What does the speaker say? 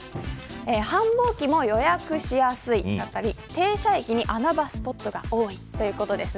繁忙期でも予約がしやすいだったり停車駅に穴場スポットが多いということですね。